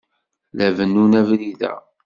La bennun abrid-a.